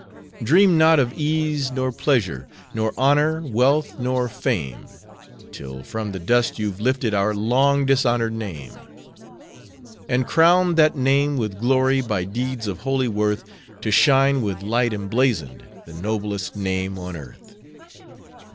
Dream not of ease nor pleasure, Nor honor, wealth, nor fame, Till from the dust you've lifted Our long dishonored name; And crowned that name with glory By deeds of holy worth, To shine with light emblazoned, The noblest name on earth.